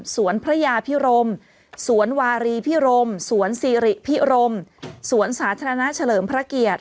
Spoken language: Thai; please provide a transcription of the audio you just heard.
พระยาพิรมสวนวารีพิรมสวนซีริพิรมสวนสาธารณะเฉลิมพระเกียรติ